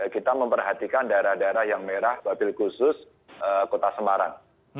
kita memperhatikan daerah daerah yang merah babil khusus kota semarang